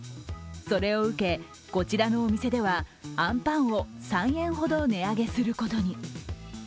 それを受け、こちらのお店ではあんパンを３円ほど値上げすることに。